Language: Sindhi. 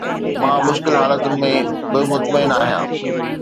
مان مشڪل حالتن ۾ به مطمئن آهيان